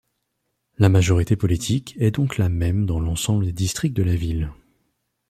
La majorité politique est donc la même dans l'ensemble des districts de la ville.